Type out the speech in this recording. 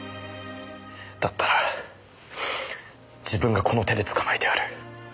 だったら自分がこの手で捕まえてやる。